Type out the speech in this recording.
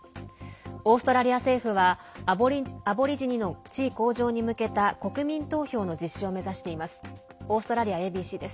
オーストラリア政府はアボリジニの地位向上に向けた国民投票の実施を目指しています。